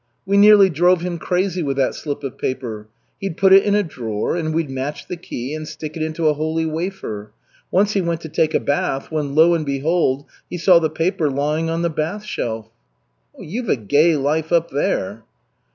We nearly drove him crazy with that slip of paper. He'd put it in a drawer, and we'd match the key and stick it into a holy wafer. Once he went to take a bath, when lo and behold! he saw the paper lying on the bath shelf." "You've a gay life up there."